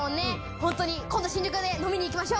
本当に、今度新宿で飲みに行きましょう。